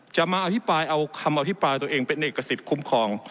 มาอภิปรายเอาคำอภิปรายตัวเองเป็นเอกสิทธิ์คุ้มครอง